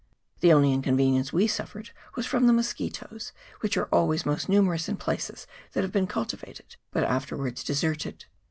The only inconvenience we suffered was from the musquittos, which are always most numerous in places that have been cultivated but afterwards deserted.